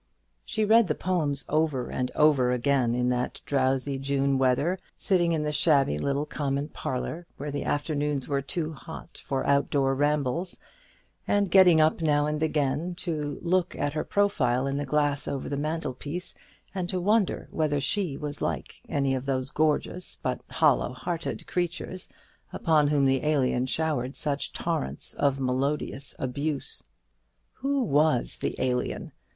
She read the poems over and over again in the drowsy June weather, sitting in the shabby little common parlour when the afternoons were too hot for out door rambles, and getting up now and then to look at her profile in the glass over the mantel piece, and to wonder whether she was like any of those gorgeous but hollow hearted creatures upon whom the Alien showered such torrents of melodious abuse. Who was the Alien?